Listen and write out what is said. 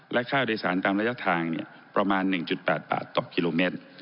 และค่าโดยสารตามระยะทางประมาณ๑๘บาทต่อกิโลเมตร